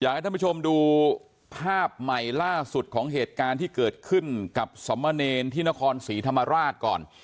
ให้ท่านผู้ชมดูภาพใหม่ล่าสุดของเหตุการณ์ที่เกิดขึ้นกับสมเนรที่นครศรีธรรมราชก่อน